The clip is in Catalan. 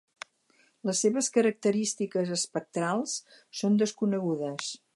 Les seves característiques espectrals són desconegudes.